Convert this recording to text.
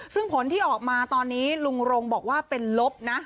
ซึ่งผลที่ออกมาตอนนี้ลุงรงบอกว่าเป็นลบนะ